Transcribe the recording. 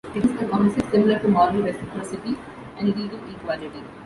It is a concept similar to moral reciprocity and legal equality.